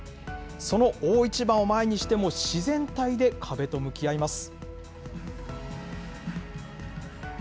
その大一番を前にしても、自然体で壁と向き合います。